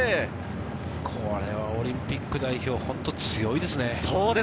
これはオリンピック代表、ホント強いですね。